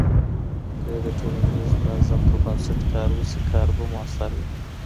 که د ټولنیز نظم پر بنسټ کار وسي، کار به مؤثر وي.